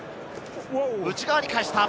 内側に返した！